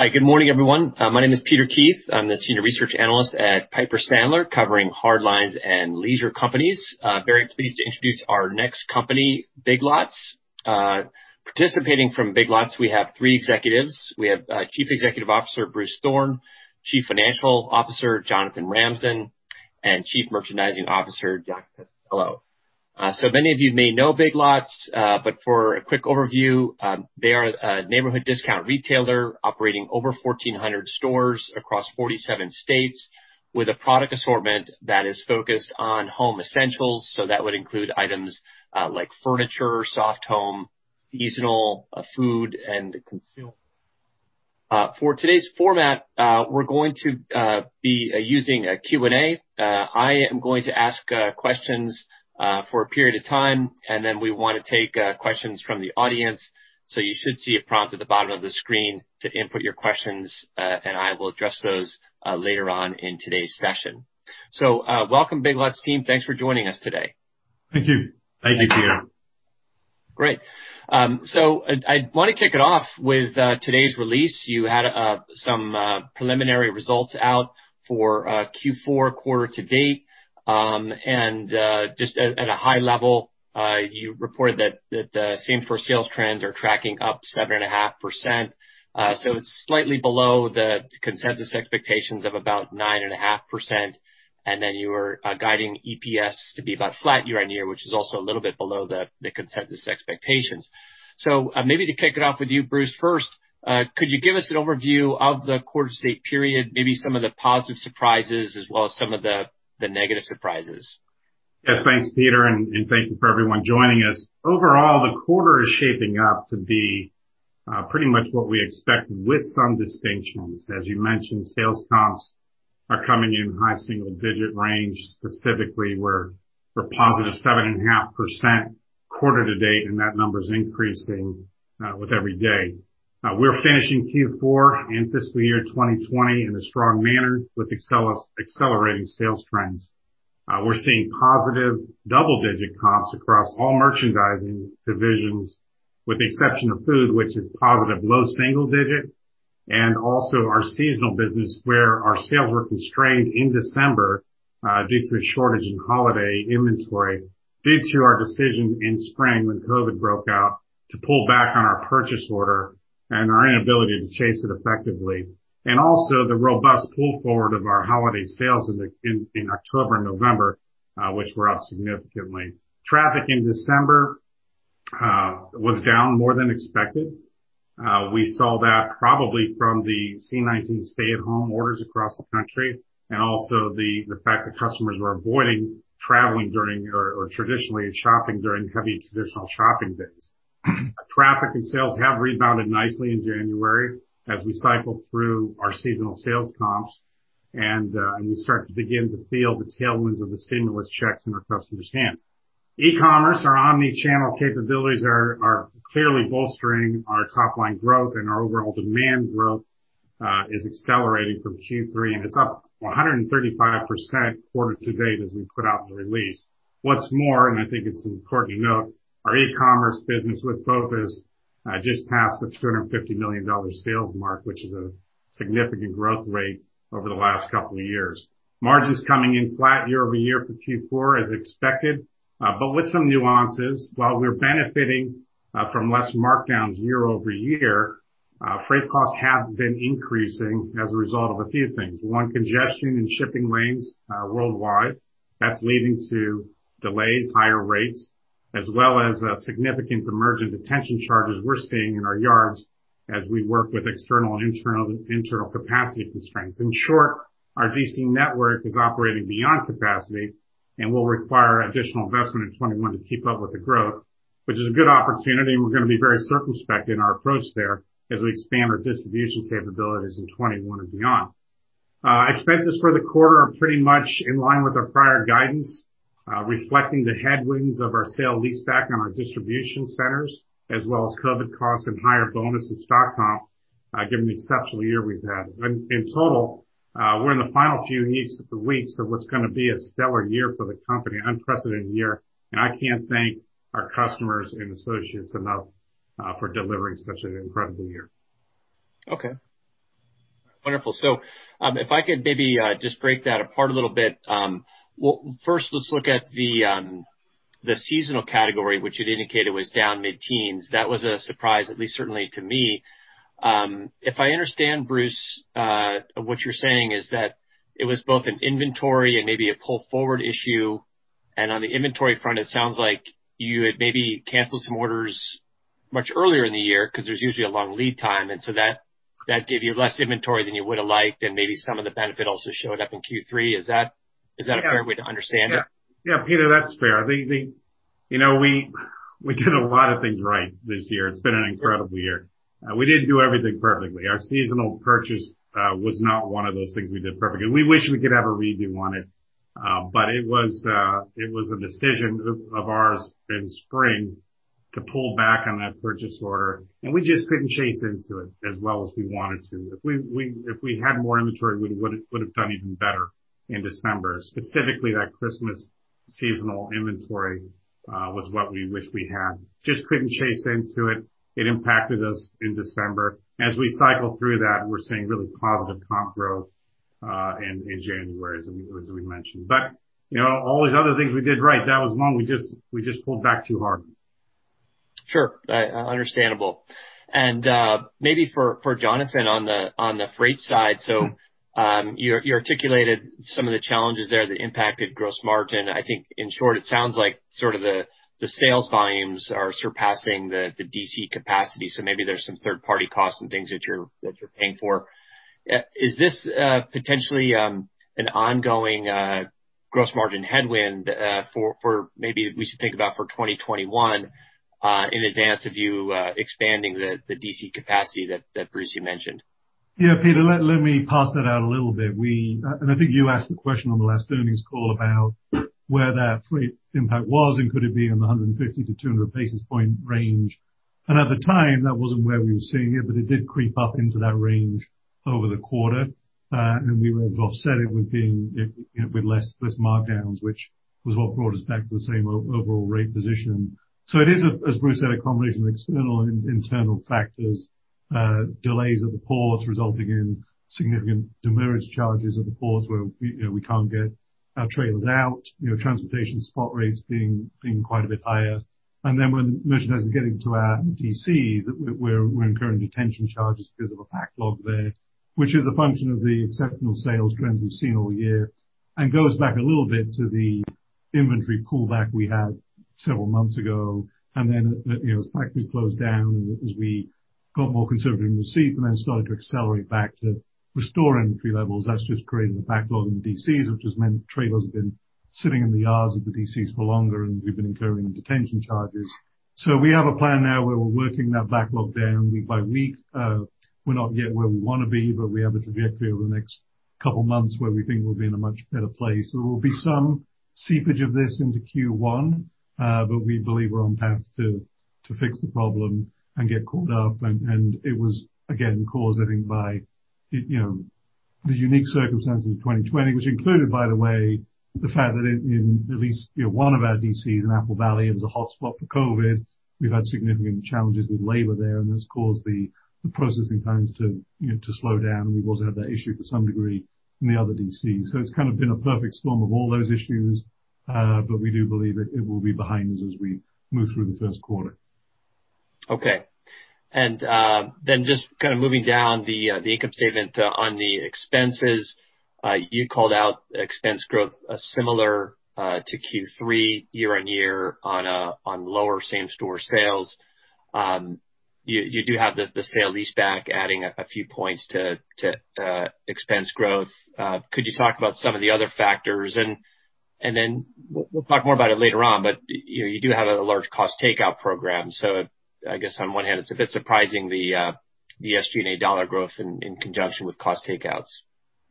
Hi. Good morning, everyone. My name is Peter Keith. I am the Senior Research Analyst at Piper Sandler, covering hard lines and leisure companies. Very pleased to introduce our next company, Big Lots. Participating from Big Lots, we have three executives. We have Chief Executive Officer, Bruce Thorn, Chief Financial Officer, Jonathan Ramsden, and Chief Merchandising Officer, Jack Pestello. Hello. Many of you may know Big Lots, but for a quick overview, they are a neighborhood discount retailer operating over 1,400 stores across 47 states, with a product assortment that is focused on home essentials. That would include items like furniture, soft home, seasonal, food, and consumer. For today's format, we are going to be using Q&A. I am going to ask questions for a period of time, then we want to take questions from the audience. You should see a prompt at the bottom of the screen to input your questions, and I will address those later on in today's session. Welcome Big Lots team. Thanks for joining us today. Thank you. Thank you, Peter. Great. I want to kick it off with today's release. You had some preliminary results out for Q4 quarter to date. Just at a high level, you reported that the same-store sales trends are tracking up 7.5%. It's slightly below the consensus expectations of about 9.5%. Then you were guiding EPS to be about flat year-on-year, which is also a little bit below the consensus expectations. Maybe to kick it off with you, Bruce, first, could you give us an overview of the quarter to date period, maybe some of the positive surprises as well as some of the negative surprises? Yes, thanks, Peter, and thank you for everyone joining us. Overall, the quarter is shaping up to be pretty much what we expected with some distinctions. As you mentioned, sales comps are coming in high single digit range. Specifically, we're positive 7.5% quarter to date, and that number's increasing with every day. We're finishing Q4 and fiscal year 2020 in a strong manner with accelerating sales trends. We're seeing positive double-digit comps across all merchandising divisions, with the exception of food, which is positive low single digit, and also our seasonal business, where our sales were constrained in December due to a shortage in holiday inventory due to our decision in spring when COVID broke out to pull back on our purchase order and our inability to chase it effectively. Also the robust pull forward of our holiday sales in October and November, which were up significantly. Traffic in December was down more than expected. We saw that probably from the C-19 stay-at-home orders across the country, and also the fact that customers were avoiding traveling during or traditionally shopping during heavy traditional shopping days. Traffic and sales have rebounded nicely in January as we cycle through our seasonal sales comps and we start to begin to feel the tailwinds of the stimulus checks in our customers' hands. E-commerce, our omni-channel capabilities are clearly bolstering our top line growth and our overall demand growth is accelerating from Q3, and it's up 135% quarter to date as we put out in the release. What's more, and I think it's an important to note, our e-commerce business with Focus just passed the $250 million sales mark, which is a significant growth rate over the last couple of years. Margins coming in flat year-over-year for Q4 as expected, but with some nuances. While we're benefiting from less markdowns year-over-year, freight costs have been increasing as a result of a few things. One, congestion in shipping lanes worldwide. That's leading to delays, higher rates, as well as significant demurrage and detention charges we're seeing in our yards as we work with external and internal capacity constraints. In short, our DC network is operating beyond capacity and will require additional investment in 2021 to keep up with the growth, which is a good opportunity, and we're going to be very circumspect in our approach there as we expand our distribution capabilities in 2021 and beyond. Expenses for the quarter are pretty much in line with our prior guidance, reflecting the headwinds of our sale leaseback on our distribution centers, as well as COVID costs and higher bonuses stock comp, given the exceptional year we've had. In total, we're in the final few weeks of what's going to be a stellar year for the company, unprecedented year, and I can't thank our customers and associates enough for delivering such an incredible year. Okay. Wonderful. If I could maybe just break that apart a little bit. First, let's look at the seasonal category, which you'd indicated was down mid-teens. That was a surprise, at least certainly to me. If I understand, Bruce, what you're saying is that it was both an inventory and maybe a pull forward issue, and on the inventory front, it sounds like you had maybe canceled some orders much earlier in the year because there's usually a long lead time, and so that gave you less inventory than you would've liked, and maybe some of the benefit also showed up in Q3. Is that a fair way to understand it? Yeah, Peter, that's fair. We did a lot of things right this year. It's been an incredible year. We didn't do everything perfectly. Our seasonal purchase was not one of those things we did perfectly. We wish we could have a redo on it. It was a decision of ours in spring to pull back on that purchase order, and we just couldn't chase into it as well as we wanted to. If we had more inventory, we would have done even better in December, specifically that Christmas seasonal inventory was what we wish we had. Just couldn't chase into it. It impacted us in December. As we cycle through that, we're seeing really positive comp growth in January, as we mentioned. All these other things we did right, that was one we just pulled back too hard. Sure. Understandable. Maybe for Jonathan on the freight side. You articulated some of the challenges there that impacted gross margin. I think, in short, it sounds like sort of the sales volumes are surpassing the DC capacity, so maybe there's some third-party costs and things that you're paying for. Is this potentially an ongoing gross margin headwind for maybe we should think about for 2021 in advance of you expanding the DC capacity that Bruce, you mentioned? Yeah, Peter, let me parse that out a little bit. I think you asked the question on the last earnings call about where that freight impact was and could it be in the 150-200 basis point range. At the time, that wasn't where we were seeing it, but it did creep up into that range over the quarter. We were offsetting with less markdowns, which was what brought us back to the same overall rate position. It is, as Bruce said, a combination of external and internal factors, delays at the ports resulting in significant demurrage charges at the ports where we can't get our trailers out. Transportation spot rates being quite a bit higher. When merchandise is getting to our DCs, we're incurring detention charges because of a backlog there, which is a function of the exceptional sales trends we've seen all year and goes back a little bit to the inventory pullback we had several months ago. As factories closed down, as we got more conservative in receipts and then started to accelerate back to restore inventory levels, that's just created a backlog in the DCs, which has meant trailers have been sitting in the yards of the DCs for longer, and we've been incurring detention charges. We have a plan now where we're working that backlog down week by week. We're not yet where we want to be, but we have a trajectory over the next couple of months where we think we'll be in a much better place. There will be some seepage of this into Q1, but we believe we're on path to fix the problem and get caught up. It was, again, caused, I think, by the unique circumstances of 2020, which included, by the way, the fact that in at least one of our DCs, in Apple Valley, it was a hotspot for COVID. We've had significant challenges with labor there, and that's caused the processing times to slow down. We had that issue to some degree in the other DCs. It's kind of been a perfect storm of all those issues. We do believe it will be behind us as we move through the first quarter. Okay. Just kind of moving down the income statement on the expenses. You called out expense growth similar to Q3 year-over-year on lower same-store sales. You do have the sale-leaseback adding a few points to expense growth. Could you talk about some of the other factors? We'll talk more about it later on, but you do have a large cost takeout program. I guess on one hand, it's a bit surprising the SG&A dollar growth in conjunction with cost takeouts.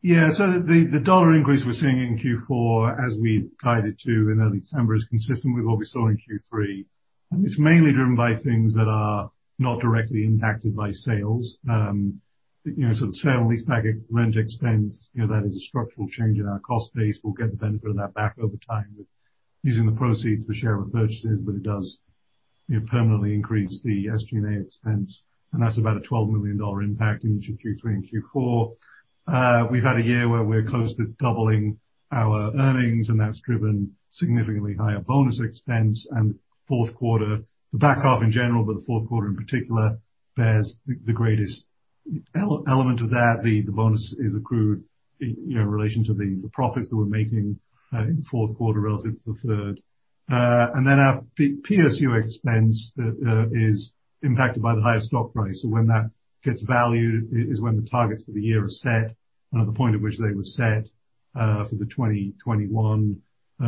Yeah. The dollar increase we're seeing in Q4 as we guided to in early December is consistent with what we saw in Q3. It's mainly driven by things that are not directly impacted by sales. The sale-leaseback rent expense, that is a structural change in our cost base. We'll get the benefit of that back over time with using the proceeds for share repurchases, but it does permanently increase the SG&A expense, and that's about a $12 million impact in each of Q3 and Q4. We've had a year where we're close to doubling our earnings, and that's driven significantly higher bonus expense and the back half in general, but the fourth quarter in particular bears the greatest element of that. The bonus is accrued in relation to the profits that we're making in the fourth quarter relative to the third. Our PSU expense is impacted by the higher stock price. When that gets valued is when the targets for the year are set and at the point at which they were set for the 2021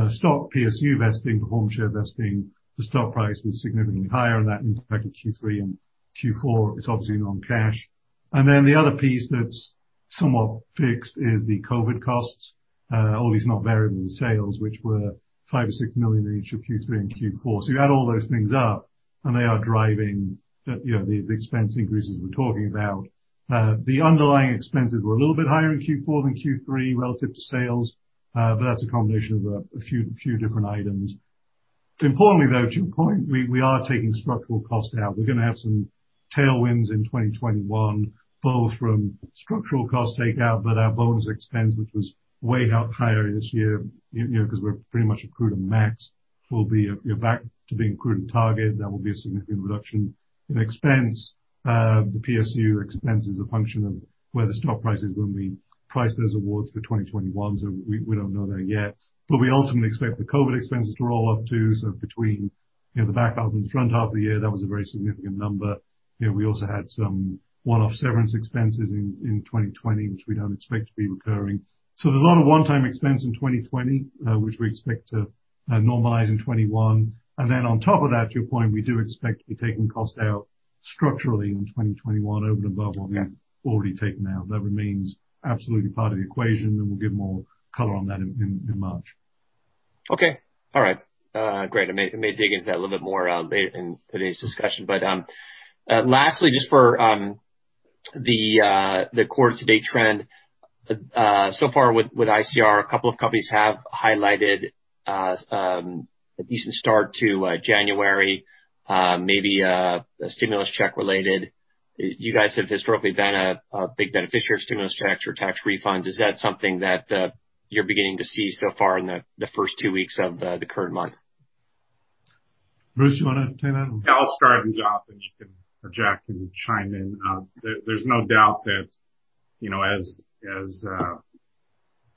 stock PSU vesting, performance share vesting. The stock price was significantly higher, and that impacted Q3 and Q4. It's obviously non-cash. The other piece that's somewhat fixed is the COVID costs. All these non-variable sales, which were $5 million or $6 million in each of Q3 and Q4. You add all those things up, and they are driving the expense increases we're talking about. The underlying expenses were a little bit higher in Q4 than Q3 relative to sales. That's a combination of a few different items. Importantly, though, to your point, we are taking structural cost out. We're going to have some tailwinds in 2021, both from structural cost takeout. Our bonus expense, which was way out higher this year because we're pretty much accrued to max, we'll be back to being accrued to target. That will be a significant reduction in expense. The PSU expense is a function of where the stock price is when we price those awards for 2021. We don't know that yet. We ultimately expect the COVID expenses to roll off too. Between the back half and front half of the year, that was a very significant number. We also had some one-off severance expenses in 2020, which we don't expect to be recurring. There's a lot of one-time expense in 2020, which we expect to normalize in 2021. Then on top of that, to your point, we do expect to be taking cost out structurally in 2021 over and above what we've already taken out. That remains absolutely part of the equation, and we'll give more color on that in March. Okay. All right. Great. I may dig into that a little bit more later in today's discussion. Lastly, just for the quarter to date trend, so far with ICR, a couple of companies have highlighted a decent start to January, maybe stimulus check related. You guys have historically been a big beneficiary of stimulus checks or tax refunds. Is that something that you're beginning to see so far in the first two weeks of the current month? Bruce, you want to take that one? I'll start, and Jack can chime in. There's no doubt that, as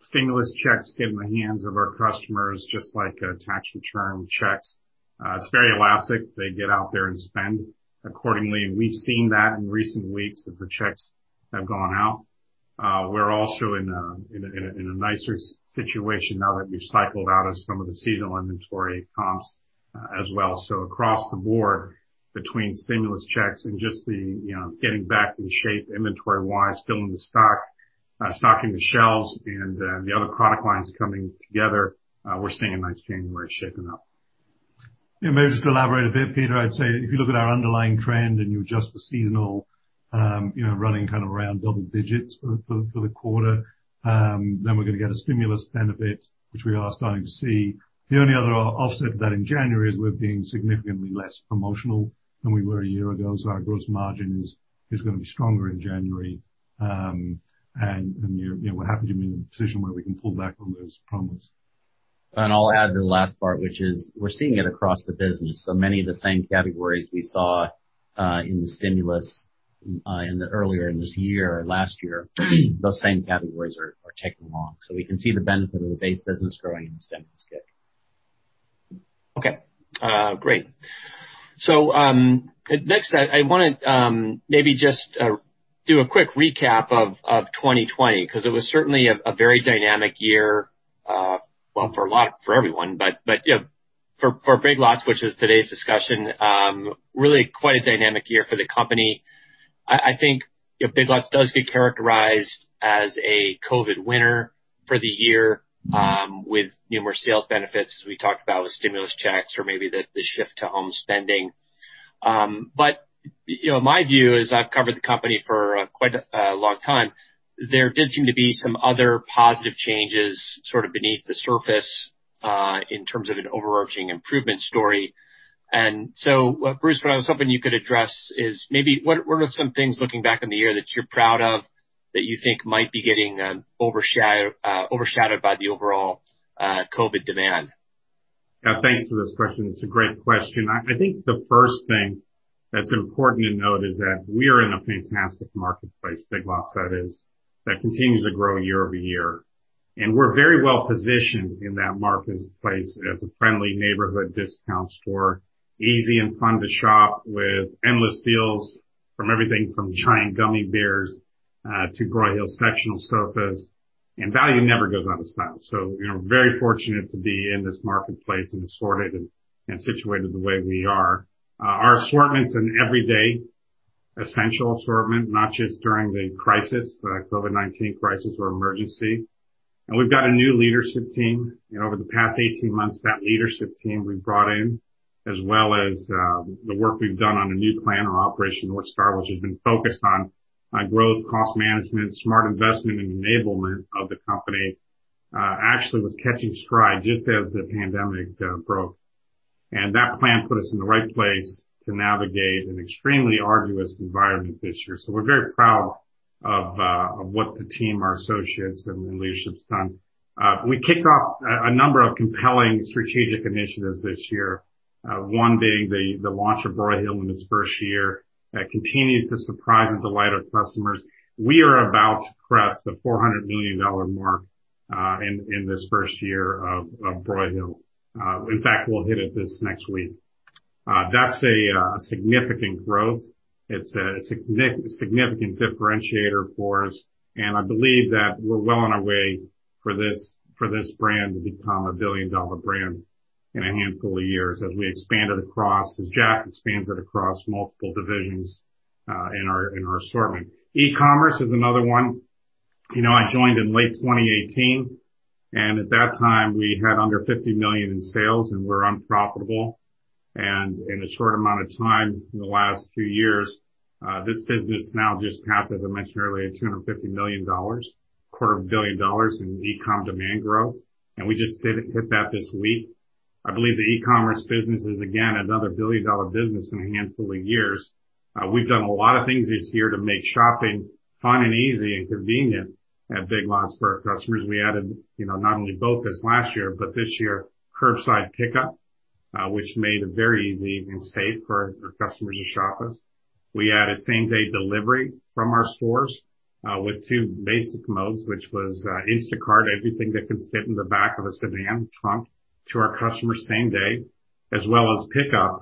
stimulus checks get in the hands of our customers, just like tax return checks, it's very elastic. They get out there and spend accordingly. We've seen that in recent weeks as the checks have gone out. We're also in a nicer situation now that we've cycled out of some of the seasonal inventory comps as well. Across the board, between stimulus checks and just the getting back in shape inventory wise, filling the stock, stocking the shelves, and the other product lines coming together, we're seeing a nice January shaping up. Maybe just to elaborate a bit, Peter, I'd say if you look at our underlying trend and you adjust for seasonal, running kind of around double digits for the quarter, we're going to get a stimulus benefit, which we are starting to see. The only other offset to that in January is we're being significantly less promotional than we were a year ago. Our gross margin is going to be stronger in January. We're happy to be in a position where we can pull back on those promos. I'll add the last part, which is we're seeing it across the business. Many of the same categories we saw in the stimulus earlier in this year or last year, those same categories are ticking along. We can see the benefit of the base business growing in the stimulus kick. Okay. Great. Next, I want to maybe just do a quick recap of 2020, because it was certainly a very dynamic year. Well, for everyone. For Big Lots, which is today's discussion, really quite a dynamic year for the company. I think Big Lots does get characterized as a COVID winner for the year, with numerous sales benefits, as we talked about with stimulus checks or maybe the shift to home spending. My view is, I've covered the company for quite a long time, there did seem to be some other positive changes sort of beneath the surface in terms of an overarching improvement story. Bruce, something you could address is maybe what are some things, looking back on the year, that you're proud of that you think might be getting overshadowed by the overall COVID demand? Yeah. Thanks for this question. It's a great question. I think the first thing that's important to note is that we are in a fantastic marketplace, Big Lots, that is, that continues to grow year-over-year. We're very well positioned in that marketplace as a friendly neighborhood discount store, easy and fun to shop with endless deals, from everything from giant gummy bears to Broyhill sectional sofas, and value never goes out of style. We're very fortunate to be in this marketplace and assorted and situated the way we are. Our assortment's an everyday essential assortment, not just during the crisis, the COVID-19 crisis or emergency. We've got a new leadership team. Over the past 18 months, that leadership team we've brought in, as well as the work we've done on a new plan or Operation North Star, which has been focused on growth, cost management, smart investment, and enablement of the company, actually was catching stride just as the pandemic broke. That plan put us in the right place to navigate an extremely arduous environment this year. We're very proud of what the team, our associates, and the leadership's done. We kicked off a number of compelling strategic initiatives this year. One being the launch of Broyhill in its first year. That continues to surprise and delight our customers. We are about to press the $400 million mark in this first year of Broyhill. In fact, we'll hit it this next week. That's a significant growth. I believe that we're well on our way for this brand to become a billion-dollar brand in a handful of years as Jack expands it across multiple divisions in our assortment. E-commerce is another one. I joined in late 2018. At that time, we had under $50 million in sales and were unprofitable. In a short amount of time, in the last few years, this business now just passed, as I mentioned earlier, $250 million, quarter of a billion dollars in e-com demand growth. We just hit that this week. I believe the e-commerce business is, again, another billion-dollar business in a handful of years. We've done a lot of things this year to make shopping fun and easy and convenient at Big Lots for our customers. We added not only BOPIS last year, but this year, curbside pickup, which made it very easy and safe for customers to shop with us. We added same-day delivery from our stores with two basic modes, which was Instacart everything that can fit in the back of a sedan trunk to our customers same day, as well as Pickup,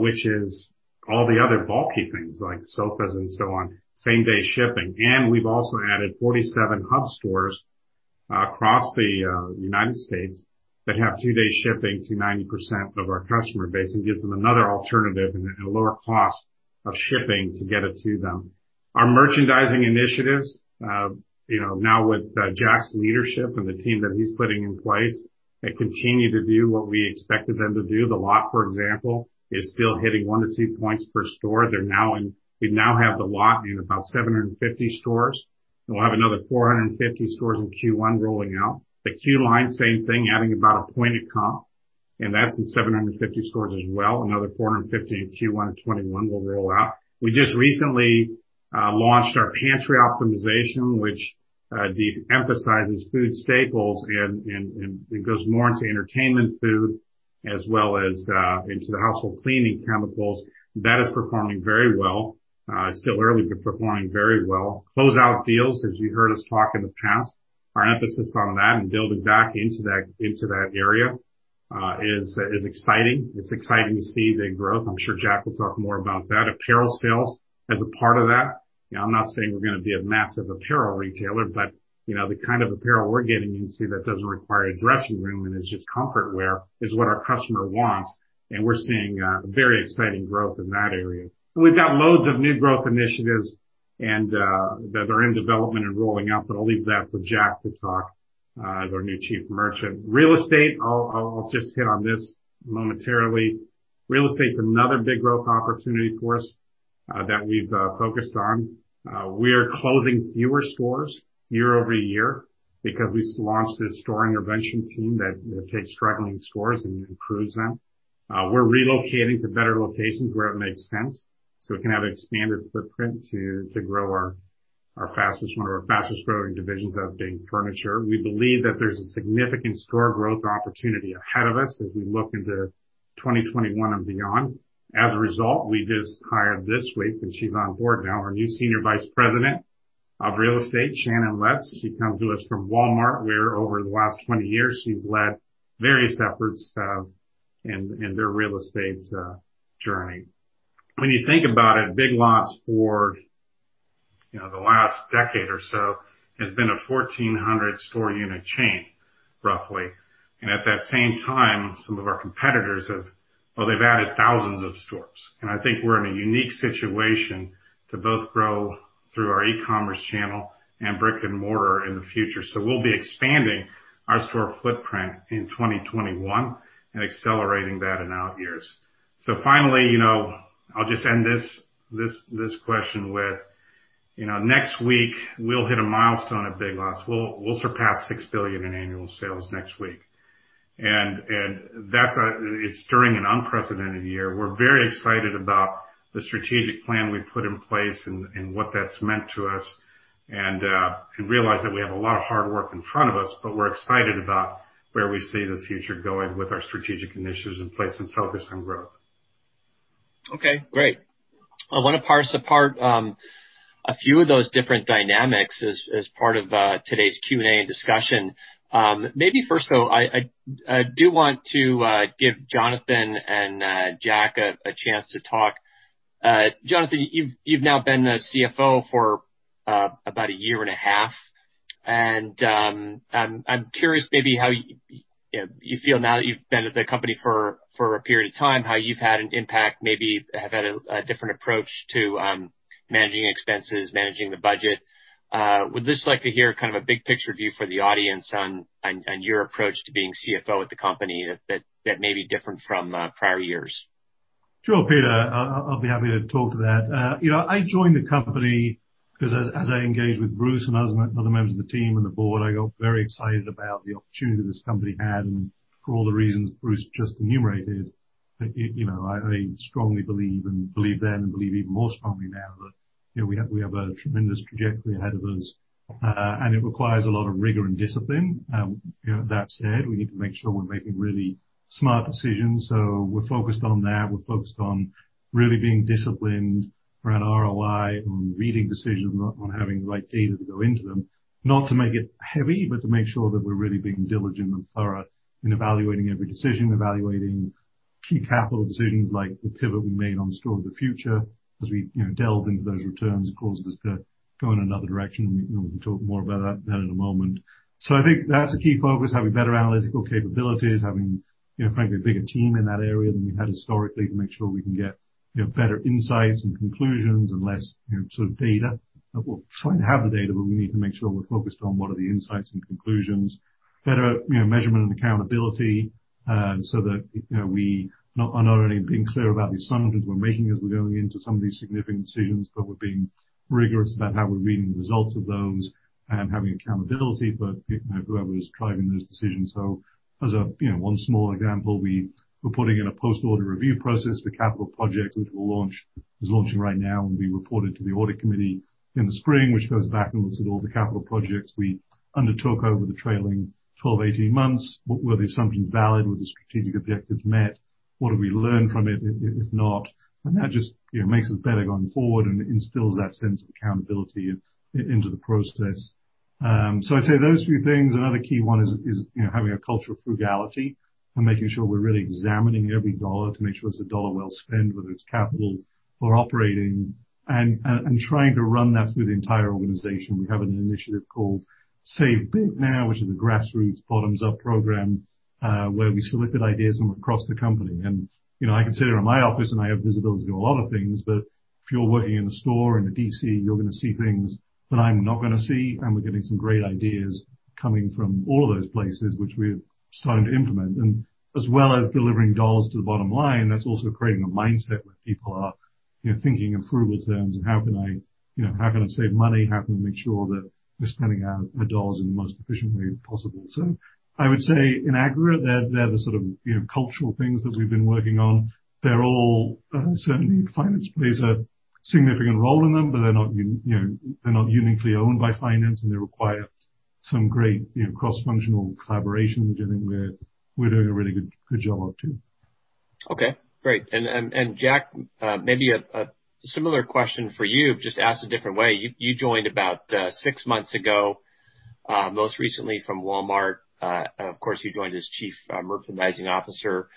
which is all the other bulky things like sofas and so on, same-day shipping. We've also added 47 hub stores across the U.S. that have two-day shipping to 90% of our customer base and gives them another alternative and a lower cost of shipping to get it to them. Our merchandising initiatives, now with Jack's leadership and the team that he's putting in place, they continue to do what we expected them to do. The Lot, for example, is still hitting one to two points per store. We now have The Lot in about 750 stores. We'll have another 450 stores in Q1 rolling out. The Queue Line, same thing, adding about a point of comp, and that's in 750 stores as well. Another 450 in Q1 of 2021 will roll out. We just recently launched our pantry optimization, which de-emphasizes food staples and goes more into entertainment food as well as into the household cleaning chemicals. That is performing very well. It's still early, but performing very well. Closeout deals, as you heard us talk in the past, our emphasis on that and building back into that area, is exciting. It's exciting to see the growth. I'm sure Jack will talk more about that. Apparel sales as a part of that. I'm not saying we're going to be a massive apparel retailer, but the kind of apparel we're getting into that doesn't require a dressing room and is just comfort wear is what our customer wants, and we're seeing very exciting growth in that area. We've got loads of new growth initiatives that are in development and rolling out, but I'll leave that for Jack to talk as our new Chief Merchant. Real estate, I'll just hit on this momentarily. Real estate's another big growth opportunity for us that we've focused on. We are closing fewer stores year-over-year because we launched a store intervention team that takes struggling stores and improves them. We're relocating to better locations where it makes sense so we can have expanded footprint to grow one of our fastest-growing divisions, that being furniture. We believe that there's a significant store growth opportunity ahead of us as we look into 2021 and beyond. As a result, we just hired this week, and she's on board now, our new senior vice president of real estate, Shannon Letts. She comes to us from Walmart, where over the last 20 years, she's led various efforts in their real estate journey. When you think about it, Big Lots for the last decade or so has been a 1,400 store unit chain, roughly. At that same time, some of our competitors have, well, they've added thousands of stores. I think we're in a unique situation to both grow through our e-commerce channel and brick and mortar in the future. We'll be expanding our store footprint in 2021 and accelerating that in out years. Finally, I'll just end this question with, next week, we'll hit a milestone at Big Lots. We'll surpass $6 billion in annual sales next week. It's during an unprecedented year. We're very excited about the strategic plan we've put in place and what that's meant to us, and realize that we have a lot of hard work in front of us. We're excited about where we see the future going with our strategic initiatives in place and focused on growth. Okay, great. I want to parse apart a few of those different dynamics as part of today's Q&A and discussion. Maybe first, though, I do want to give Jonathan and Jack a chance to talk. Jonathan, you've now been the CFO for about a year and a half. I'm curious maybe how you feel now that you've been at the company for a period of time, how you've had an impact, maybe have had a different approach to managing expenses, managing the budget. Would just like to hear kind of a big picture view for the audience on your approach to being CFO at the company that may be different from prior years. Sure, Peter, I'll be happy to talk to that. I joined the company because as I engaged with Bruce and other members of the team and the board, I got very excited about the opportunity this company had and for all the reasons Bruce just enumerated. I strongly believe and believed then, and believe even more strongly now that we have a tremendous trajectory ahead of us, and it requires a lot of rigor and discipline. That said, we need to make sure we're making really smart decisions. We're focused on that. We're focused on really being disciplined around ROI, on reading decisions, on having the right data to go into them. Not to make it heavy, but to make sure that we're really being diligent and thorough in evaluating every decision, evaluating key capital decisions like the pivot we made on Store of the Future. As we delved into those returns, it caused us to go in another direction, and we can talk more about that in a moment. I think that's a key focus, having better analytical capabilities, having, frankly, a bigger team in that area than we've had historically to make sure we can get better insights and conclusions and less data. But we'll try and have the data, but we need to make sure we're focused on what are the insights and conclusions. Better measurement and accountability so that we are not only being clear about the assumptions we're making as we're going into some of these significant decisions, but we're being rigorous about how we're reading the results of those and having accountability for whoever is driving those decisions. As one small example, we're putting in a post-order review process for capital projects, which is launching right now and will be reported to the audit committee in the spring, which goes back and looks at all the capital projects we undertook over the trailing 12, 18 months. Were the assumptions valid? Were the strategic objectives met? What have we learned from it, if not? That just makes us better going forward and instills that sense of accountability into the process. I'd say those three things. Another key one is having a culture of frugality and making sure we're really examining every dollar to make sure it's a dollar well spent, whether it's capital or operating, and trying to run that through the entire organization. We have an initiative called Save Big Now, which is a grassroots bottoms-up program, where we solicit ideas from across the company. I can sit here in my office and I have visibility on a lot of things, but if you're working in a store, in a D.C., you're going to see things that I'm not going to see, and we're getting some great ideas coming from all of those places, which we're starting to implement. As well as delivering dollars to the bottom line, that's also creating a mindset where Thinking in frugal terms and how can I save money? How can we make sure that we're spending our dollars in the most efficient way possible? I would say in aggregate, they're the sort of cultural things that we've been working on. They're all-- certainly, finance plays a significant role in them, but they're not uniquely owned by finance, and they require some great cross-functional collaboration, which I think we're doing a really good job of, too. Okay, great. Jack, maybe a similar question for you, just asked a different way. You joined about six months ago, most recently from Walmart. Of course, you joined as Chief Merchandising Officer.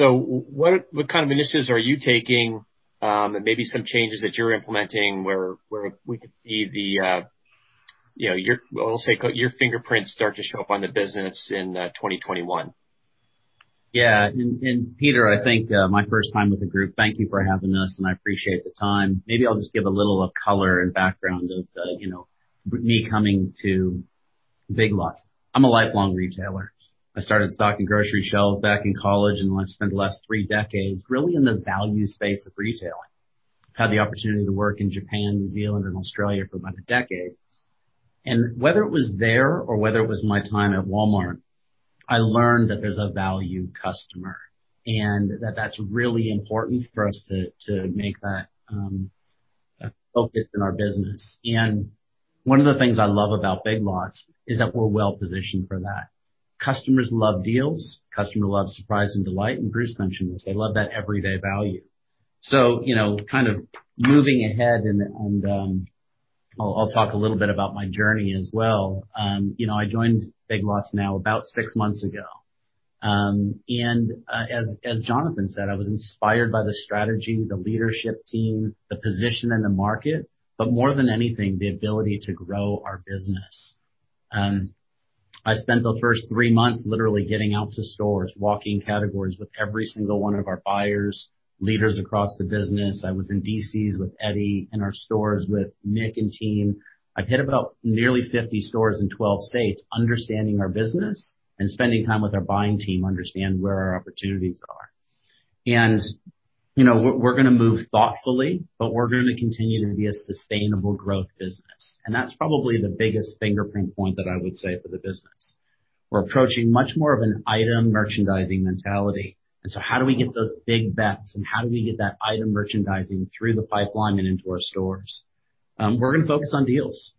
What kind of initiatives are you taking? Maybe some changes that you're implementing where we could see your fingerprints start to show up on the business in 2021. Yeah. Peter, I think my first time with the group, thank you for having us, and I appreciate the time. Maybe I'll just give a little color and background of me coming to Big Lots. I'm a lifelong retailer. I started stocking grocery shelves back in college, and I've spent the last three decades really in the value space of retailing. Had the opportunity to work in Japan, New Zealand and Australia for about a decade. Whether it was there or whether it was my time at Walmart, I learned that there's a value customer and that that's really important for us to make that a focus in our business. One of the things I love about Big Lots is that we're well positioned for that. Customers love deals. Customers love surprise and delight, and Bruce mentioned this. They love that everyday value. Kind of moving ahead, I'll talk a little bit about my journey as well. I joined Big Lots now about six months ago. As Jonathan said, I was inspired by the strategy, the leadership team, the position in the market, more than anything, the ability to grow our business. I spent the first three months literally getting out to stores, walking categories with every single one of our buyers, leaders across the business. I was in DCs with Eddie, in our stores with Nick and team. I've hit about nearly 50 stores in 12 states, understanding our business and spending time with our buying team, understand where our opportunities are. We're going to move thoughtfully, we're going to continue to be a sustainable growth business, and that's probably the biggest fingerprint point that I would say for the business. We're approaching much more of an item merchandising mentality, how do we get those big bets, and how do we get that item merchandising through the pipeline and into our stores? We're going to focus on deals.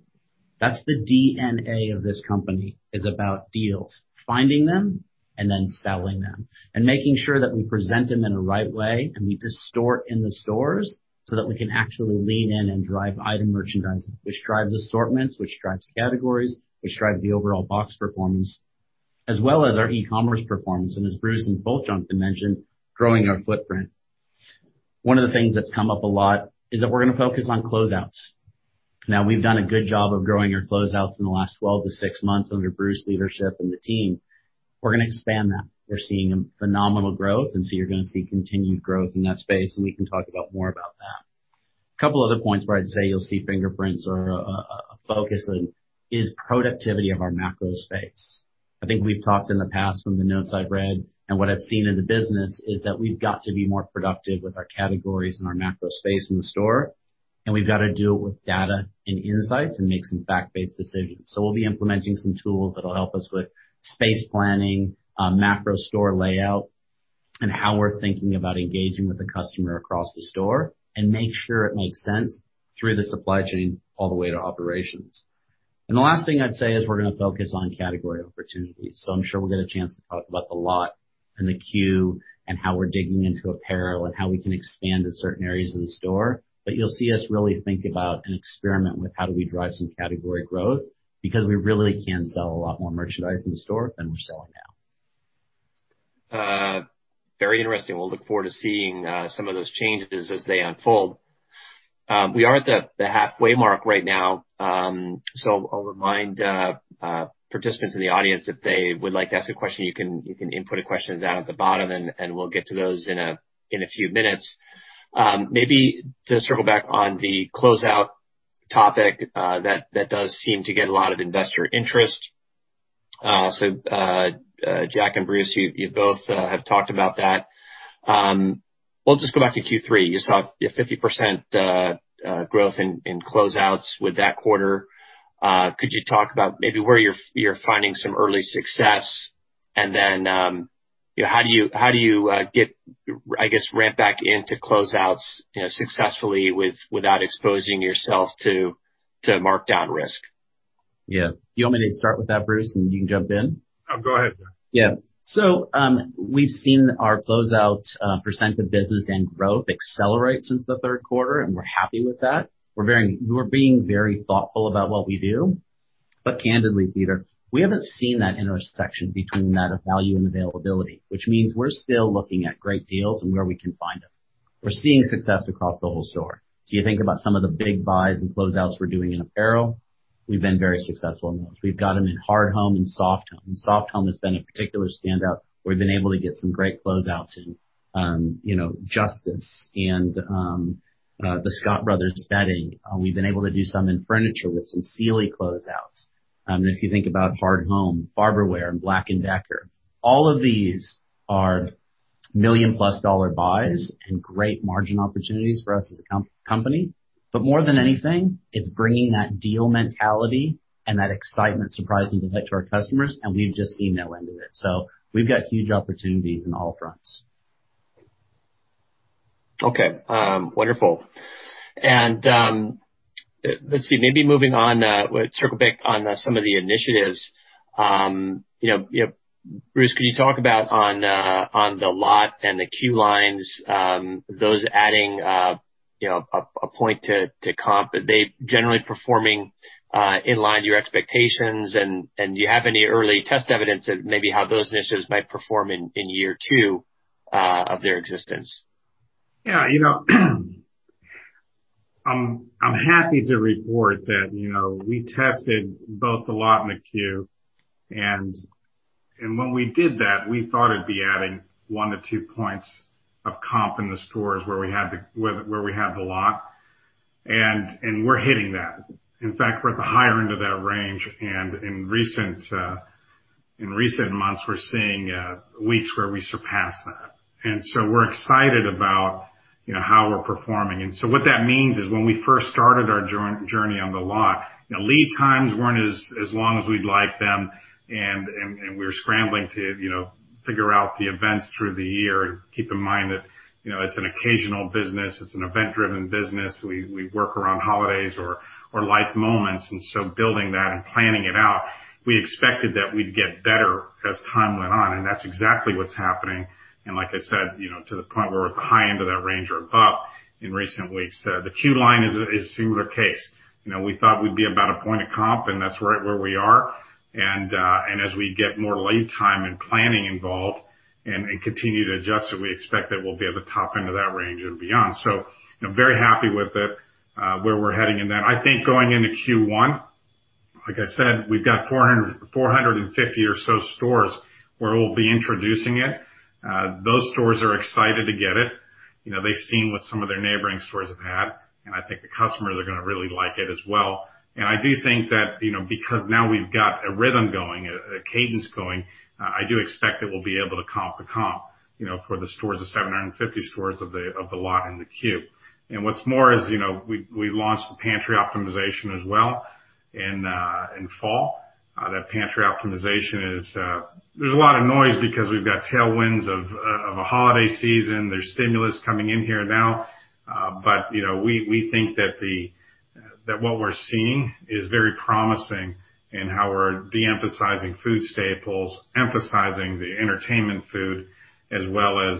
That's the DNA of this company is about deals. Finding them, and then selling them, and making sure that we present them in the right way, and we distort in the stores so that we can actually lean in and drive item merchandising, which drives assortments, which drives categories, which drives the overall box performance as well as our e-commerce performance. As Bruce and Jonathan Ramsden mentioned, growing our footprint. One of the things that's come up a lot is that we're going to focus on closeouts. Now, we've done a good job of growing our closeouts in the last 12-6 months under Bruce's leadership and the team. We're going to expand that. We're seeing phenomenal growth, and so you're going to see continued growth in that space, and we can talk about more about that. A couple other points where I'd say you'll see fingerprints or a focus on is productivity of our macro space. I think we've talked in the past from the notes I've read, and what I've seen in the business is that we've got to be more productive with our categories and our macro space in the store, and we've got to do it with data and insights and make some fact-based decisions. We'll be implementing some tools that'll help us with space planning, macro store layout, and how we're thinking about engaging with the customer across the store and make sure it makes sense through the supply chain all the way to operations. The last thing I'd say is we're going to focus on category opportunities. I'm sure we'll get a chance to talk about The Lot and the Queue and how we're digging into apparel and how we can expand in certain areas of the store. You'll see us really think about and experiment with how do we drive some category growth, because we really can sell a lot more merchandise in the store than we're selling now. Very interesting. We'll look forward to seeing some of those changes as they unfold. We are at the halfway mark right now. I'll remind participants in the audience if they would like to ask a question, you can input a question down at the bottom, and we'll get to those in a few minutes. Maybe to circle back on the closeout topic. That does seem to get a lot of investor interest. Jack and Bruce, you both have talked about that. We'll just go back to Q3. You saw a 50% growth in closeouts with that quarter. Could you talk about maybe where you're finding some early success and then, how do you, I guess, ramp back into closeouts successfully without exposing yourself to markdown risk? Yeah. Do you want me to start with that, Bruce, and you can jump in? No, go ahead, Jack. Yeah. We've seen our closeout % of business and growth accelerate since the third quarter, and we're happy with that. We're being very thoughtful about what we do, but candidly, Peter, we haven't seen that intersection between that of value and availability, which means we're still looking at great deals and where we can find them. We're seeing success across the whole store. You think about some of the big buys and closeouts we're doing in apparel. We've been very successful in those. We've got them in hard home and soft home. Soft home has been a particular standout. We've been able to get some great closeouts in Justice and the Scott Living. We've been able to do some in furniture with some Sealy closeouts. If you think about hard home, Farberware and Black & Decker. All of these are million-plus dollar buys and great margin opportunities for us as a company. More than anything, it's bringing that deal mentality and that excitement, surprise, and delight to our customers, and we've just seen no end of it. We've got huge opportunities on all fronts. Okay. Wonderful. Let's see, maybe moving on, circle back on some of the initiatives. Bruce, can you talk about The Lot and the Queue Lines, those adding a point to comp? Are they generally performing in line with your expectations, and do you have any early test evidence of maybe how those initiatives might perform in year two of their existence? I'm happy to report that we tested both The Lot and the Queue Line, when we did that, we thought it'd be adding one to two points of comp in the stores where we had The Lot. We're hitting that. In fact, we're at the higher end of that range, in recent months, we're seeing weeks where we surpass that. We're excited about how we're performing. What that means is when we first started our journey on The Lot, lead times weren't as long as we'd like them, we were scrambling to figure out the events through the year. Keep in mind that it's an occasional business. It's an event-driven business. We work around holidays or life moments, building that and planning it out, we expected that we'd get better as time went on, that's exactly what's happening. Like I said, to the point where we're at the high end of that range or above in recent weeks. The Queue Line is a similar case. We thought we'd be about a point of comp, and that's right where we are. As we get more lead time and planning involved and continue to adjust it, we expect that we'll be at the top end of that range and beyond. Very happy with it, where we're heading in that. I think going into Q1, like I said, we've got 450 or so stores where we'll be introducing it. Those stores are excited to get it. They've seen what some of their neighboring stores have had, and I think the customers are gonna really like it as well. I do think that because now we've got a rhythm going, a cadence going, I do expect that we'll be able to comp the comp for the stores, the 750 stores of The Lot and the Queue Line. What's more is, we launched the pantry optimization as well in fall. That pantry optimization, there's a lot of noise because we've got tailwinds of a holiday season. There's stimulus coming in here now. We think that what we're seeing is very promising in how we're de-emphasizing food staples, emphasizing the entertainment food as well as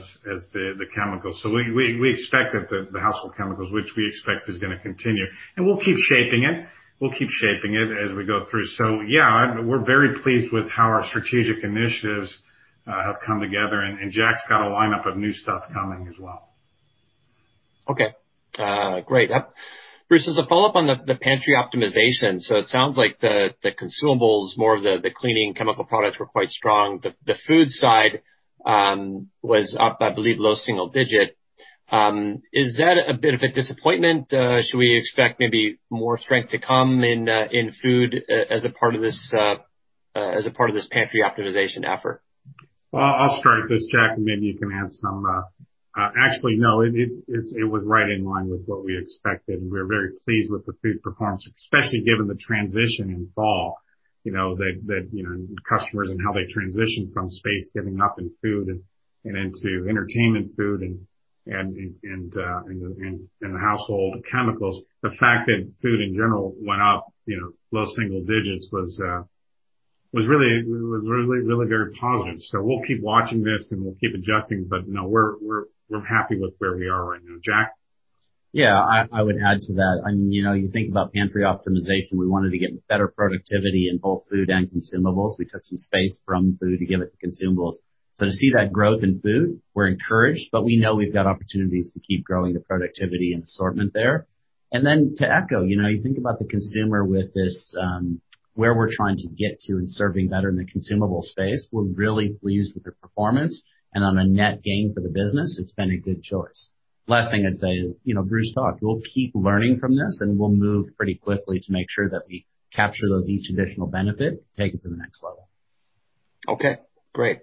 the chemicals. We expect that the household chemicals, which we expect is gonna continue. We'll keep shaping it. We'll keep shaping it as we go through. Yeah, we're very pleased with how our strategic initiatives have come together, and Jack's got a lineup of new stuff coming as well. Okay. Great. Bruce, as a follow-up on the pantry optimization, it sounds like the consumables, more of the cleaning chemical products were quite strong. The food side was up, I believe, low single digit. Is that a bit of a disappointment? Should we expect maybe more strength to come in food as a part of this pantry optimization effort? Well, I'll start this, Jack, and maybe you can add some. Actually, no. It was right in line with what we expected, and we're very pleased with the food performance, especially given the transition in fall. The customers and how they transitioned from space giving up in food and into entertainment food and in the household chemicals. The fact that food in general went up low single digits was really very positive. We'll keep watching this, and we'll keep adjusting. No, we're happy with where we are right now. Jack? Yeah, I would add to that. You think about pantry optimization, we wanted to get better productivity in both food and consumables. We took some space from food to give it to consumables. To see that growth in food, we're encouraged, but we know we've got opportunities to keep growing the productivity and assortment there. To echo, you think about the consumer with this, where we're trying to get to in serving better in the consumable space, we're really pleased with the performance. On a net gain for the business, it's been a good choice. Last thing I'd say is, Bruce talked, we'll keep learning from this, and we'll move pretty quickly to make sure that we capture those each additional benefit, take it to the next level. Okay. Great.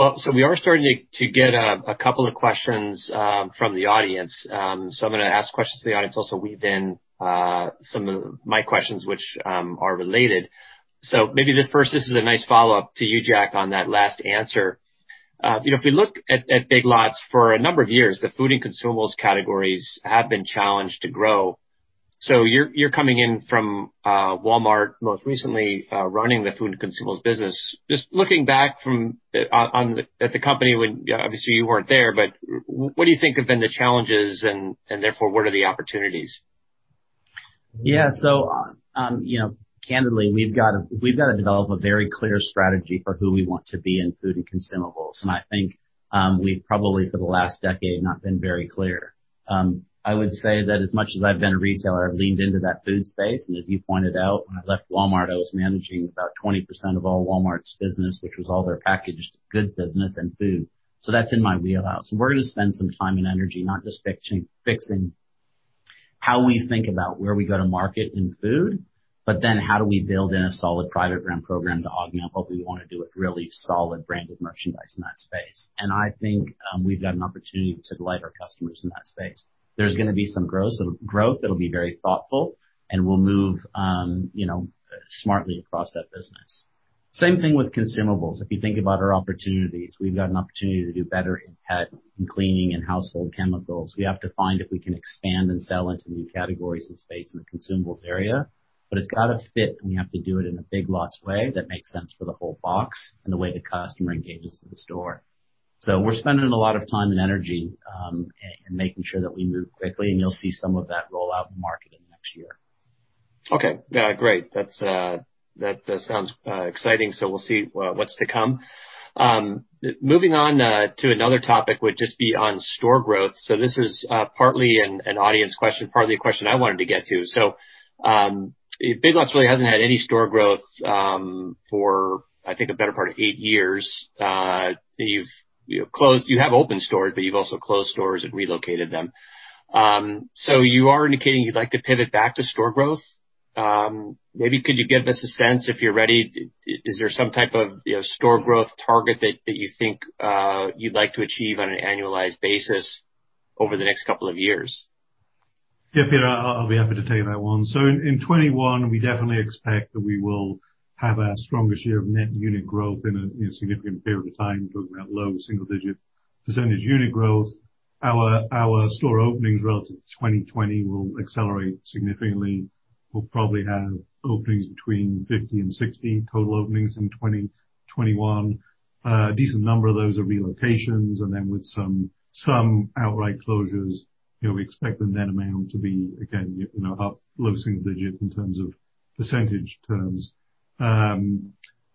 Well, we are starting to get a couple of questions from the audience. I'm gonna ask questions to the audience, also weave in some of my questions, which are related. Maybe the first, this is a nice follow-up to you, Jack, on that last answer. If we look at Big Lots for a number of years, the food and consumables categories have been challenged to grow. You're coming in from Walmart, most recently, running the food and consumables business. Just looking back at the company when, obviously, you weren't there, but what do you think have been the challenges and therefore, what are the opportunities? Yeah. Candidly, we've got to develop a very clear strategy for who we want to be in food and consumables, and I think we've probably, for the last decade, not been very clear. I would say that as much as I've been a retailer, I've leaned into that food space, and as you pointed out, when I left Walmart, I was managing about 20% of all Walmart's business, which was all their packaged goods business and food. That's in my wheelhouse. We're gonna spend some time and energy not just fixing how we think about where we go to market in food, but then how do we build in a solid private brand program to augment what we want to do with really solid branded merchandise in that space. I think we've got an opportunity to delight our customers in that space. There's going to be some growth that'll be very thoughtful, and we'll move smartly across that business. Same thing with consumables. If you think about our opportunities, we've got an opportunity to do better in pet, in cleaning, and household chemicals. We have to find if we can expand and sell into new categories and space in the consumables area. It's got to fit, and we have to do it in a Big Lots way that makes sense for the whole box and the way the customer engages with the store. We're spending a lot of time and energy in making sure that we move quickly, and you'll see some of that roll out in the market in the next year. Okay. Great. That sounds exciting. We'll see what's to come. Moving on to another topic, would just be on store growth. This is partly an audience question, partly a question I wanted to get to. Big Lots really hasn't had any store growth for, I think, the better part of eight years. You have opened stores, but you've also closed stores and relocated them. You are indicating you'd like to pivot back to store growth? Maybe could you give us a sense, if you're ready, is there some type of store growth target that you think you'd like to achieve on an annualized basis over the next couple of years? Yeah, Peter, I'll be happy to take that one. In 2021, we definitely expect that we will have our strongest year of net unit growth in a significant period of time. We're talking about low single digit percentage unit growth. Our store openings relative to 2020 will accelerate significantly. We'll probably have openings between 50 and 60 total openings in 2021. A decent number of those are relocations. With some outright closures, we expect the net amount to be, again, low single digits in terms of percentage terms. Part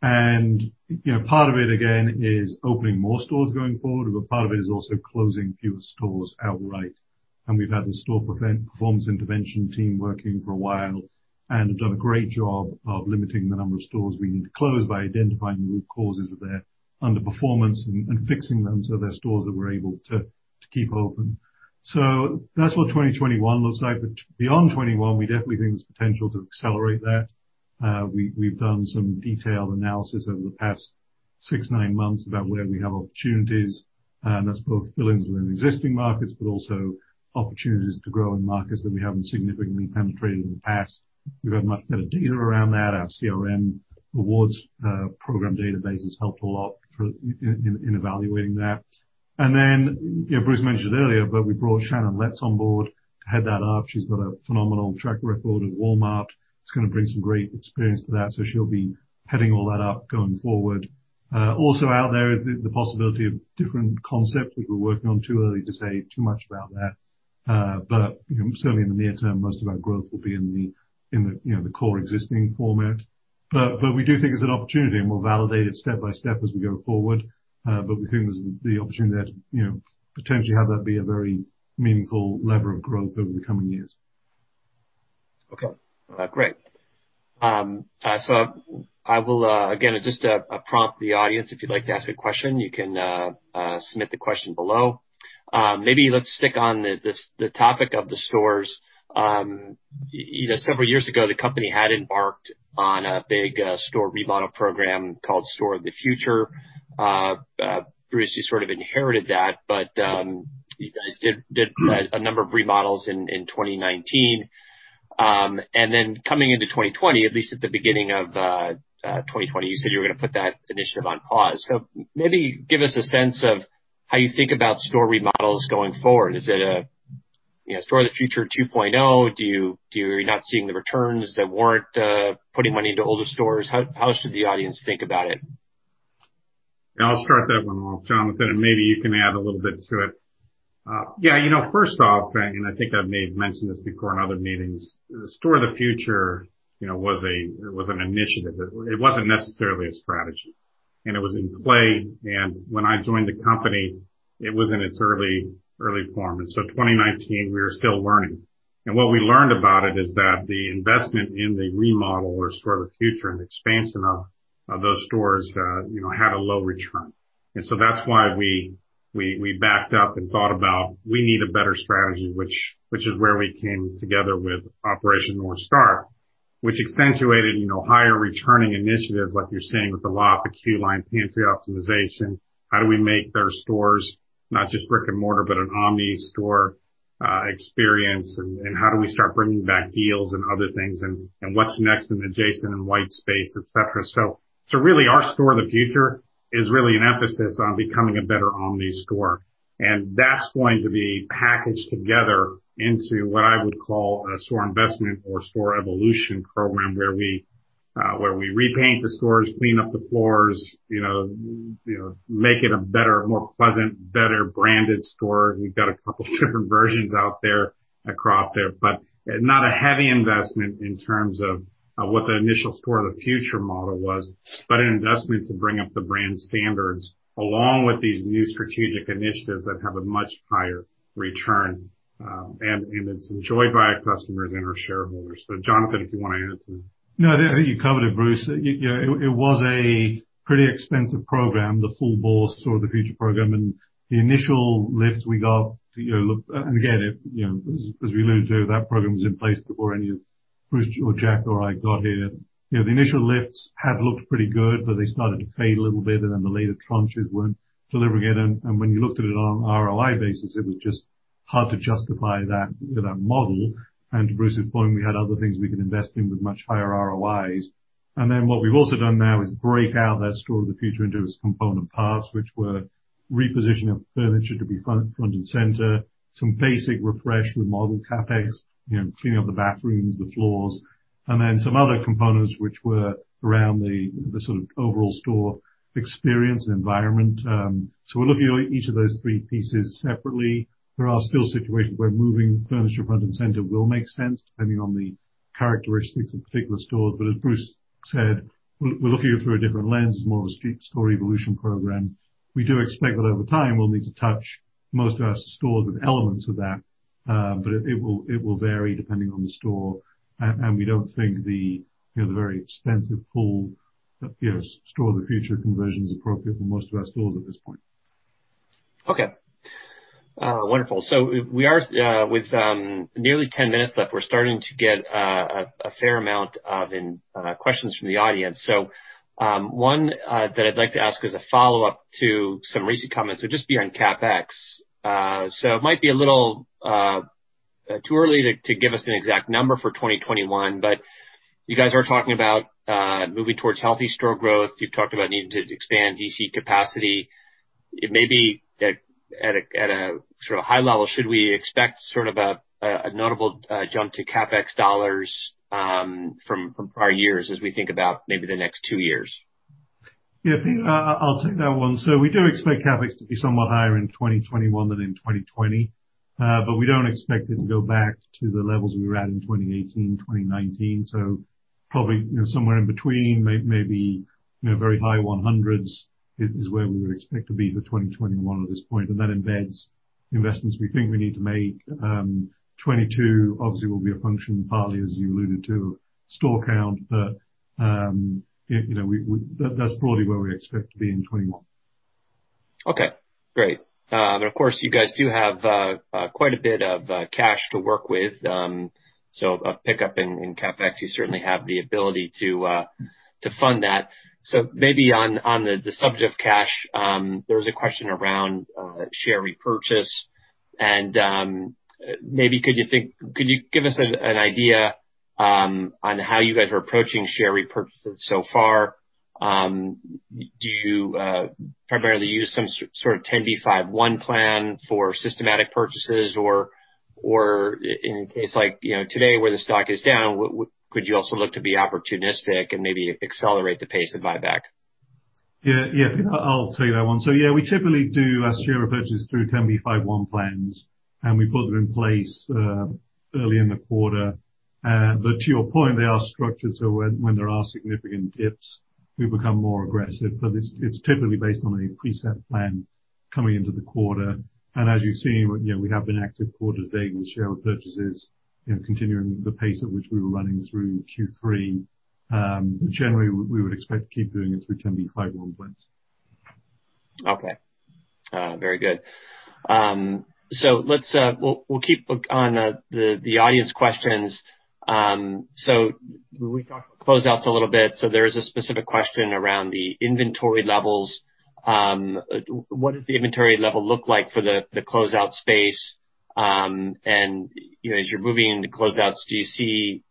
of it, again, is opening more stores going forward, but part of it is also closing fewer stores outright. We've had the store performance intervention team working for a while and have done a great job of limiting the number of stores we need to close by identifying the root causes of their underperformance and fixing them so they're stores that we're able to keep open. That's what 2021 looks like. Beyond 2021, we definitely think there's potential to accelerate that. We've done some detailed analysis over the past six, nine months about where we have opportunities, and that's both fill-ins within existing markets, but also opportunities to grow in markets that we haven't significantly penetrated in the past. We've had much better data around that. Our CRM rewards program database has helped a lot in evaluating that. Bruce mentioned earlier, but we brought Shannon Letts on board to head that up. She's got a phenomenal track record at Walmart. It's going to bring some great experience to that. She'll be heading all that up going forward. Also out there is the possibility of different concepts, which we're working on. Too early to say too much about that. Certainly in the near term, most of our growth will be in the core existing format. We do think it's an opportunity, and we'll validate it step by step as we go forward. We think there's the opportunity there to potentially have that be a very meaningful lever of growth over the coming years. Okay. Great. I will, again, just prompt the audience. If you'd like to ask a question, you can submit the question below. Maybe let's stick on the topic of the stores. Several years ago, the company had embarked on a big store remodel program called Store of the Future. Bruce, you sort of inherited that, but you guys did a number of remodels in 2019. Then coming into 2020, at least at the beginning of 2020, you said you were going to put that initiative on pause. Maybe give us a sense of how you think about store remodels going forward. Is it a Store of the Future 2.0? Are you not seeing the returns that warrant putting money into older stores? How should the audience think about it? I'll start that one off, Jonathan, and maybe you can add a little bit to it. Yeah. First off, I think I may have mentioned this before in other meetings, the Store of the Future was an initiative. It wasn't necessarily a strategy, and it was in play. When I joined the company, it was in its early form. 2019, we were still learning. What we learned about it is that the investment in the remodel or Store of the Future and expansion of those stores had a low return. That's why we backed up and thought about, we need a better strategy, which is where we came together with Operation North Star, which accentuated higher returning initiatives like you're seeing with The Lot, the Queue Line pantry optimization. How do we make their stores not just brick and mortar, but an omni-store experience, and how do we start bringing back deals and other things and what's next in adjacent and white space, et cetera. Really, our Store of the Future is really an emphasis on becoming a better omni store. That's going to be packaged together into what I would call a store investment or store evolution program, where we repaint the stores, clean up the floors, make it a better, more pleasant, better branded store. We've got a couple different versions out there across there, but not a heavy investment in terms of what the initial Store of the Future model was, but an investment to bring up the brand standards along with these new strategic initiatives that have a much higher return. It's enjoyed by our customers and our shareholders. Jonathan, if you want to add to that. No, I think you covered it, Bruce. It was a pretty expensive program, the full bore Store of the Future program. The initial lift we got, and again, as we learned too, that program was in place before any of Bruce or Jack or I got here, the initial lifts had looked pretty good, but they started to fade a little bit, and then the later tranches weren't delivering it. When you looked at it on an ROI basis, it was just hard to justify that model. To Bruce's point, we had other things we could invest in with much higher ROIs. What we've also done now is break out that Store of the Future into its component parts, which were repositioning of furniture to be front and center, some basic refresh with model CapEx, cleaning up the bathrooms, the floors, and then some other components which were around the sort of overall store experience and environment. We're looking at each of those three pieces separately. There are still situations where moving furniture front and center will make sense, depending on the characteristics of particular stores. As Bruce said, we're looking through a different lens, more of a street store evolution program. We do expect that over time, we'll need to touch most of our stores with elements of that. It will vary depending on the store, and we don't think the very expensive pull Store of the Future conversion is appropriate for most of our stores at this point. Okay. Wonderful. We are with nearly 10 minutes left, we're starting to get a fair amount of questions from the audience. One that I'd like to ask as a follow-up to some recent comments would just be on CapEx. It might be a little too early to give us an exact number for 2021, but you guys are talking about moving towards healthy store growth. You've talked about needing to expand DC capacity. Maybe at a high level, should we expect a notable jump to CapEx dollars from prior years as we think about maybe the next two years? Yeah, Peter, I'll take that one. We do expect CapEx to be somewhat higher in 2021 than in 2020. We don't expect it to go back to the levels we were at in 2018, 2019. Probably somewhere in between, maybe very high 100s is where we would expect to be for 2021 at this point, and that embeds the investments we think we need to make. 2022 obviously will be a function, partly as you alluded to, store count. That's broadly where we expect to be in 2021. Okay, great. Of course, you guys do have quite a bit of cash to work with, a pickup in CapEx, you certainly have the ability to fund that. Maybe on the subject of cash, there was a question around share repurchase. Maybe could you give us an idea on how you guys are approaching share repurchases so far? Do you primarily use some sort of 10b5-1 plan for systematic purchases? In a case like today where the stock is down, could you also look to be opportunistic and maybe accelerate the pace of buyback? I'll take that one. We typically do our share repurchases through 10b5-1 plans. We put them in place early in the quarter. To your point, they are structured so when there are significant dips, we become more aggressive. It's typically based on a preset plan coming into the quarter. As you've seen, we have been active quarter to date with share repurchases continuing the pace at which we were running through Q3. Generally, we would expect to keep doing it through 10b5-1 plans. Okay. Very good. We'll keep on the audience questions. We talked about closeouts a little bit. There is a specific question around the inventory levels. What does the inventory level look like for the closeout space? As you're moving into closeouts, do you see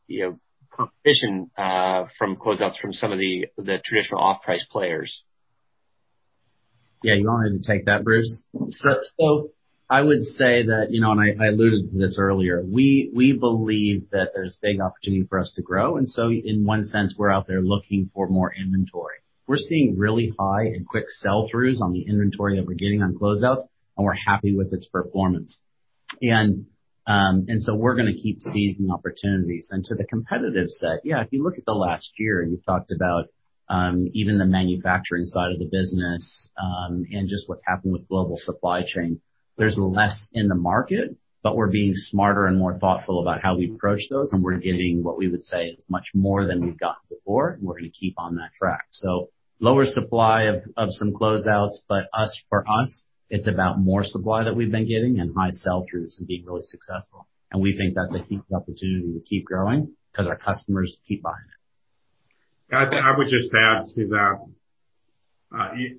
competition from closeouts from some of the traditional off-price players? Yeah, you want to take that, Bruce? I would say that, and I alluded to this earlier, we believe that there's big opportunity for us to grow. In one sense, we're out there looking for more inventory. We're seeing really high and quick sell-throughs on the inventory that we're getting on closeouts, and we're happy with its performance. We're going to keep seizing opportunities. To the competitive set, yeah, if you look at the last year, and you talked about even the manufacturing side of the business, and just what's happened with global supply chain, there's less in the market, but we're being smarter and more thoughtful about how we approach those, and we're getting what we would say is much more than we've gotten before, and we're going to keep on that track. Lower supply of some closeouts, but for us, it's about more supply that we've been getting and high sell-throughs and being really successful. We think that's a huge opportunity to keep growing because our customers keep buying. I would just add to that.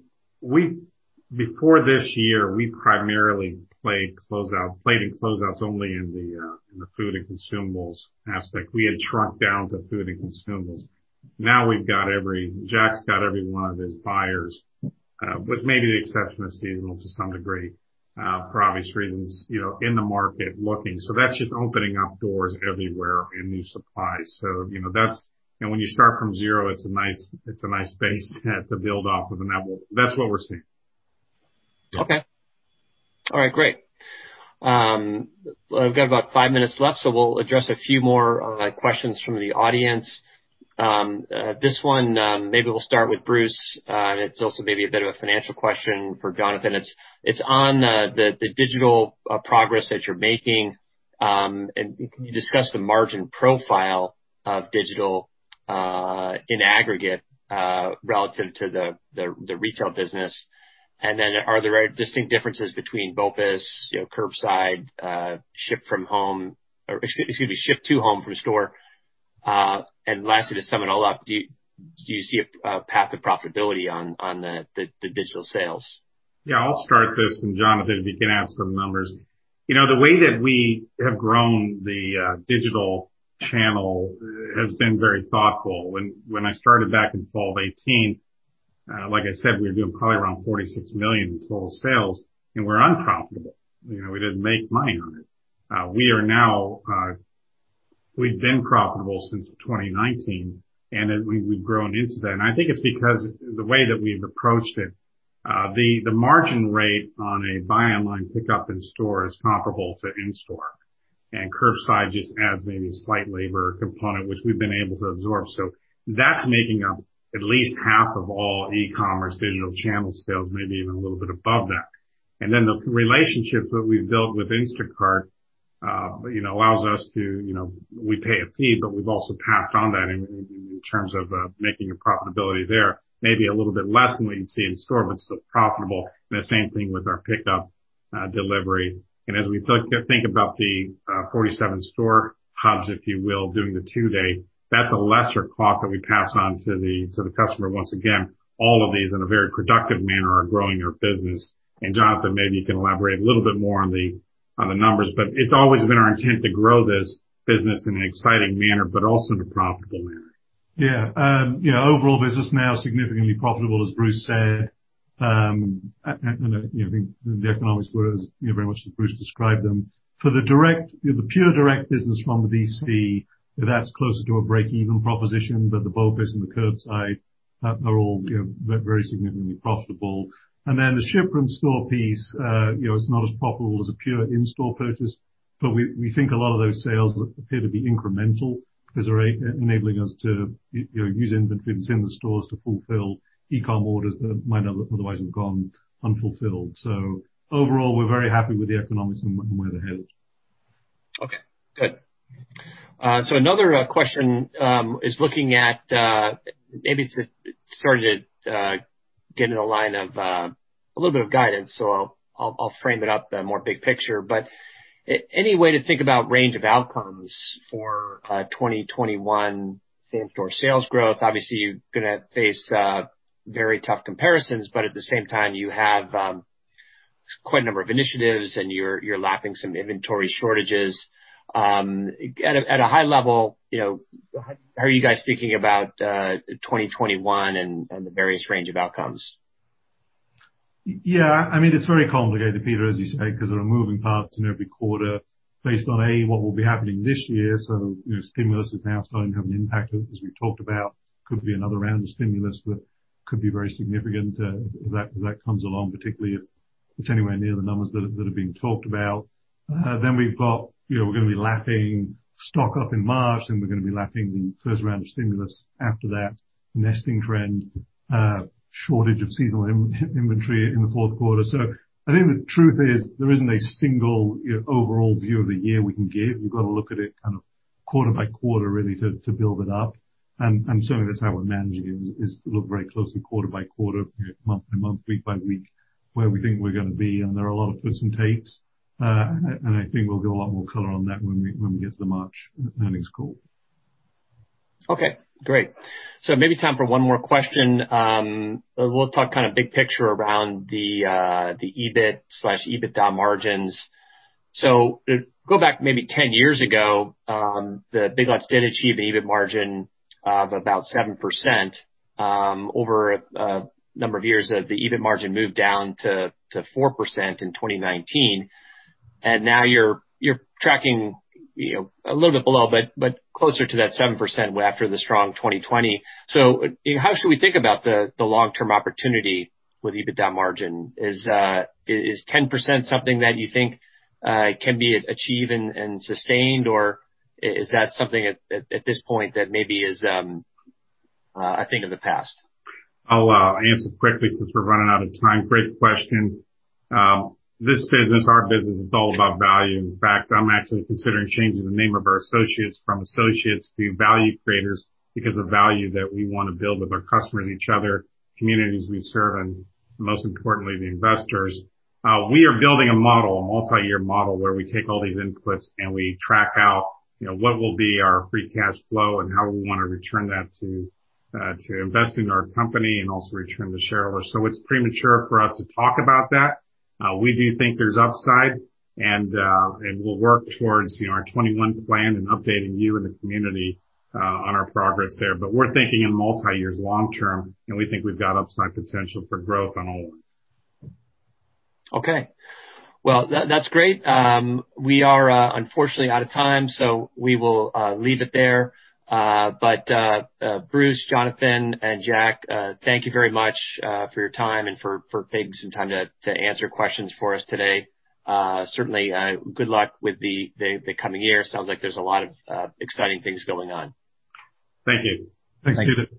Before this year, we primarily played in closeouts only in the food and consumables aspect. We had shrunk down to food and consumables. Jack's got every one of his buyers, with maybe the exception of seasonal to some degree, for obvious reasons, in the market looking. That's just opening up doors everywhere and new supplies. When you start from zero, it's a nice base to build off of, and that's what we're seeing. Okay. All right, great. We've got about five minutes left. We'll address a few more questions from the audience. This one, maybe we'll start with Bruce. It's also maybe a bit of a financial question for Jonathan. It's on the digital progress that you're making. Can you discuss the margin profile of digital in aggregate, relative to the retail business? Then are there distinct differences between BOPIS, curbside, ship to home from store? Lastly, to sum it all up, do you see a path of profitability on the digital sales? I'll start this, and Jonathan, if you can add some numbers. The way that we have grown the digital channel has been very thoughtful. When I started back in fall of 2018, like I said, we were doing probably around $46 million in total sales, and we're unprofitable. We didn't make money on it. We've been profitable since 2019, and we've grown into that. I think it's because the way that we've approached it, the margin rate on a buy online pick up in store is comparable to in-store. Curbside just adds maybe a slight labor component, which we've been able to absorb. That's making up at least half of all e-commerce digital channel sales, maybe even a little bit above that. The relationships that we've built with Instacart allows us to, we pay a fee, but we've also passed on that in terms of making a profitability there. Maybe a little bit less than what you'd see in store, but still profitable. The same thing with our Pickup delivery. As we think about the 47 store hubs, if you will, doing the two-day, that's a lesser cost that we pass on to the customer. Once again, all of these in a very productive manner are growing our business. Jonathan, maybe you can elaborate a little bit more on the numbers, but it's always been our intent to grow this business in an exciting manner, but also in a profitable manner. Yeah. Overall, the business now is significantly profitable, as Bruce said. I think the economics were very much as Bruce described them. For the pure direct business from the DC, that's closer to a break-even proposition, but the BOPIS and the curbside are all very significantly profitable. Then the ship from store piece, it's not as profitable as a pure in-store purchase, but we think a lot of those sales appear to be incremental because they're enabling us to use inventory that's in the stores to fulfill e-com orders that might not otherwise have gone unfulfilled. Overall, we're very happy with the economics and where they're headed. Okay, good. Another question is looking at, maybe it started getting in the line of a little bit of guidance, so I'll frame it up more big picture. Any way to think about range of outcomes for 2021 same-store sales growth? Obviously, you're going to face very tough comparisons, but at the same time, you have quite a number of initiatives and you're lapping some inventory shortages. At a high level, how are you guys thinking about 2021 and the various range of outcomes? Yeah. It's very complicated, Peter, as you say, because there are moving parts in every quarter based on, A, what will be happening this year. Stimulus is now starting to have an impact, as we talked about. Could be another round of stimulus that could be very significant if that comes along, particularly if it's anywhere near the numbers that have been talked about. We're going to be lapping stock up in March, then we're going to be lapping the first round of stimulus after that nesting trend shortage of seasonal inventory in the fourth quarter. I think the truth is, there isn't a single overall view of the year we can give. We've got to look at it kind of quarter by quarter, really, to build it up. Certainly that's how we're managing it is to look very closely quarter by quarter, month by month, week by week, where we think we're going to be. There are a lot of twists and turns. I think we'll give a lot more color on that when we get to the March earnings call. Okay, great. Maybe time for one more question. We'll talk kind of big picture around the EBIT/EBITDA margins. Go back maybe 10 years ago, Big Lots did achieve an EBIT margin of about 7%. Over a number of years, the EBIT margin moved down to 4% in 2019. Now you're tracking a little bit below, but closer to that 7% after the strong 2020. How should we think about the long-term opportunity with EBITDA margin? Is 10% something that you think can be achieved and sustained, or is that something at this point that maybe is a thing of the past? I'll answer quickly since we're running out of time. Great question. This business, our business, is all about value. In fact, I'm actually considering changing the name of our associates from associates to value creators because the value that we want to build with our customers, each other, communities we serve, and most importantly, the investors. We are building a model, a multi-year model, where we take all these inputs and we track out what will be our free cash flow and how we want to return that to invest in our company and also return to shareholders. It's premature for us to talk about that. We do think there's upside, and we'll work towards our 2021 plan and updating you and the community on our progress there. We're thinking in multi-years, long term, and we think we've got upside potential for growth on all of them. Okay. Well, that's great. We are unfortunately out of time. We will leave it there. Bruce, Jonathan, and Jack, thank you very much for your time and for taking some time to answer questions for us today. Certainly, good luck with the coming year. Sounds like there's a lot of exciting things going on. Thank you. Thanks, Peter.